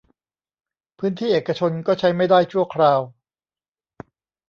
พื้นที่เอกชนก็ใช้ไม่ได้ชั่วคราว